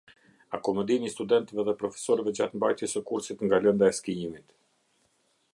Akomodimi i studentëve dhe profesorëve gjatë mbajtjes së kursit nga lënda e skijimit